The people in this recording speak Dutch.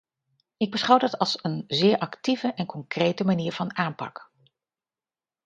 Ik beschouw dat als een zeer actieve en concrete manier van aanpak.